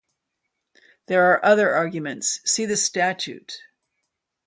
There are other arguments; see the Statute.